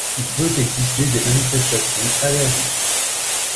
Il peut exister des manifestations allergiques.